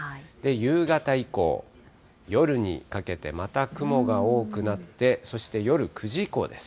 夕方以降、夜にかけてまた雲が多くなって、そして夜９時以降です。